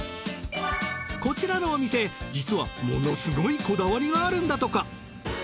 こちらのお店実はものすごいこだわりがあるんだとか。